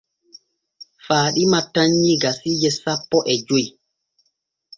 Faaɗima tannyii gasiije sapo e joy.